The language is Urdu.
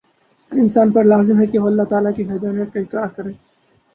انسان پر لازم ہے کہ وہ اللہ تعالی کی وحدانیت کا اقرار کرے